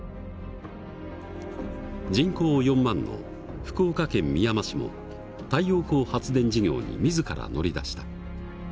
人口４万の福岡県みやま市も太陽光発電事業に自ら乗り出した。